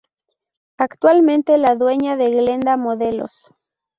Actualmente es la dueña de Glenda Modelos.